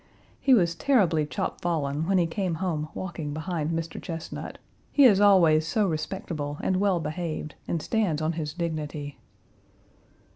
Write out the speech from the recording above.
He was terribly chopfallen when he came home walking behind Mr. Chesnut. He is always so respectable and well behaved and stands on his dignity.